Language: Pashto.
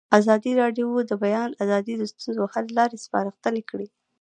ازادي راډیو د د بیان آزادي د ستونزو حل لارې سپارښتنې کړي.